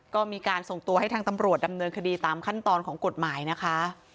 ก็มีการส่งตัวให้ทางตำรวจดำเนินคดีตามขั้นตอนของกฎหมายนะคะ